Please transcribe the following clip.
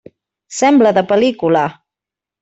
Sembla de pel·lícula!